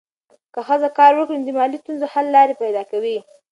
که ښځه کار وکړي، نو د مالي ستونزو حل لارې پیدا کوي.